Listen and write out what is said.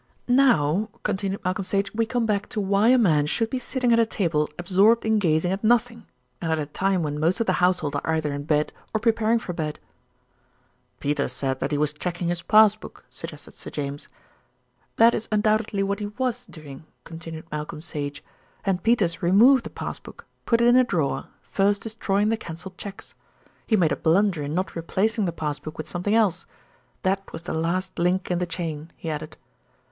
"Now," continued Malcolm Sage, "we come back to why a man should be sitting at a table absorbed in gazing at nothing, and at a time when most of the household are either in bed or preparing for bed." "Peters said that he was checking his pass book," suggested Sir James. "That is undoubtedly what he was doing," continued Malcolm Sage, "and Peters removed the passbook, put it in a drawer, first destroying the cancelled cheques. He made a blunder in not replacing the pass book with something else. That was the last link in the chain," he added.